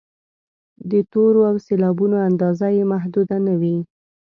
د تورو او سېلابونو اندازه یې محدوده نه وي.